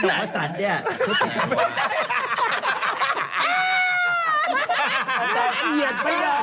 พี่โหน่งว่าสั่น